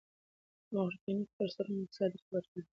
مورخينو خپل سرونه په څادر کې پټ کړي دي.